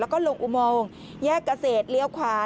แล้วก็ลงอุโมงแยกเกษตรเลี้ยวขวา